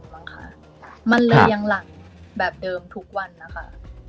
มั้งค่ะมันเลยยังหลั่งแบบเดิมทุกวันนะคะ